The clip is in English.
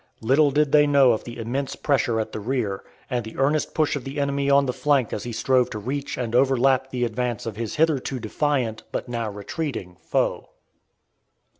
Little did they know of the immense pressure at the rear, and the earnest push of the enemy on the flank as he strove to reach and overlap the advance of his hitherto defiant, but now retreating, foe.